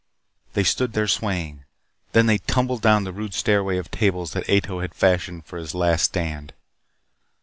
They stood there swaying. Then they tumbled down the rude stairway of tables that Ato had fashioned for his last stand.